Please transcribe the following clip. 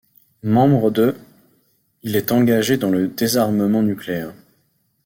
Membre de l', il est engagé dans le désarmement nucléaire.